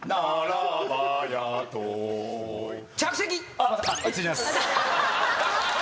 あっ失礼します。